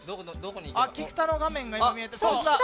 菊田の画面が今、見えて。